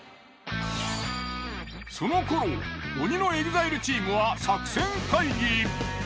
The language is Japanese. その頃鬼のＥＸＩＬＥチームは作戦会議。